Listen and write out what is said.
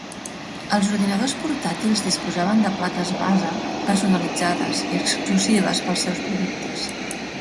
Els ordinadors portàtils disposaven de plaques base personalitzades i exclusives per als seus productes.